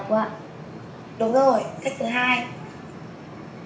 đúng rồi cách thứ hai